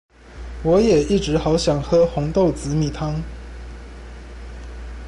我也一直好想喝紅豆紫米湯